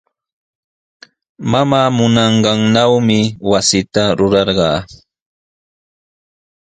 Mamaa munanqannawmi wasita rurayarqaa.